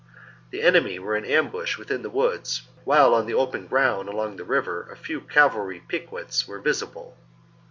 The enemy were in ambush within the woods, while on the open ground along the river a few cavalry piquets were visible.